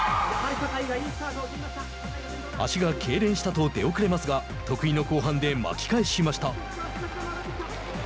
足がけいれんしたと出遅れますが得意の後半で巻き返しました。